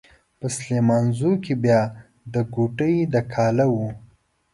په سليمانزو کې بيا د کوډۍ د کاله و.